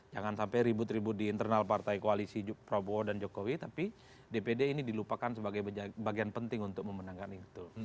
jangan sampai ribut ribut di internal partai koalisi prabowo dan jokowi tapi dpd ini dilupakan sebagai bagian penting untuk memenangkan itu